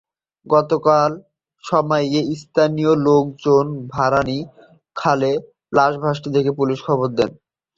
গতকাল সকালে স্থানীয় লোকজন ভারানী খালে লাশ ভাসতে দেখে পুলিশে খবর দেন।